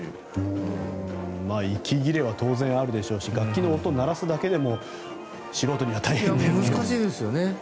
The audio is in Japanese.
息切れは当然あるだろうし楽器の音を鳴らすだけでも素人には大変ですからね。